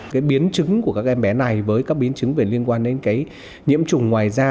cái biến chứng của các em bé này với các biến chứng về liên quan đến cái nhiễm trùng ngoài da